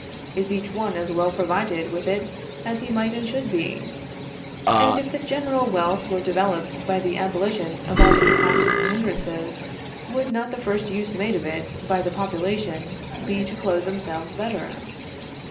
Is each one as well provided with it as he might and should be? And if the general wealth were developed by the abolition of all these taxes and hindrances, would not the first use made of it by the population be to clothe themselves better?